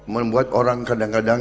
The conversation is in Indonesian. membuat orang kadang kadang